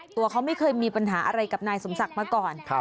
ตัวเขาไม่เคยมีปัญหาอะไรกับนายสมศักดิ์มาก่อน